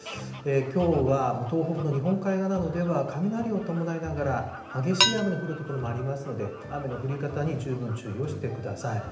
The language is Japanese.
きょうは東北の日本海側などでは、雷を伴いながら、激しい雨の降る所もありますので、雨の降り方に十分注意をしてください。